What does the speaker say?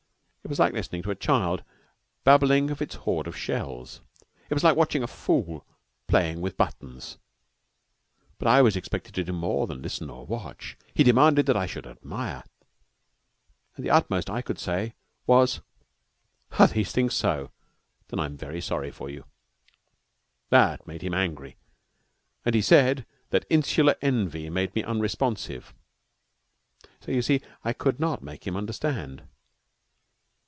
It was like listening to a child babbling of its hoard of shells. It was like watching a fool playing with buttons. But I was expected to do more than listen or watch. He demanded that I should admire; and the utmost that I could say was: "Are these things so? Then I am very sorry for you." That made him angry, and he said that insular envy made me unresponsive. So, you see, I could not make him understand.